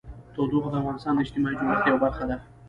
تودوخه د افغانستان د اجتماعي جوړښت یوه برخه ده.